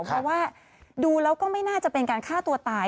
เพราะว่าดูแล้วก็ไม่น่าจะเป็นการฆ่าตัวตาย